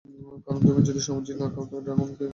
কারন তুমি যদি সবজি না খাও ড্রাগনকে কিভাবে মারবে?